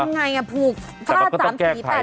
ทำอย่างไรน่ะผูกผ้า๓สี๘สีหรอกแต่เราก็ต้องแก้ไข